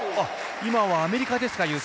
今はアメリカですか。